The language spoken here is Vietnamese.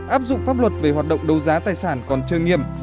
áp dụng pháp luật về hoạt động đấu giá tài sản còn chưa nghiêm